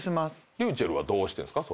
ｒｙｕｃｈｅｌｌはどうしてるんですか？